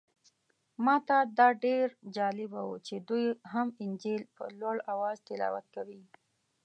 ماته دا ډېر جالبه و چې دوی هم انجیل په لوړ اواز تلاوت کوي.